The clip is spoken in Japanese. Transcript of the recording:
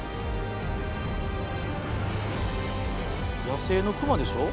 野生の熊でしょ？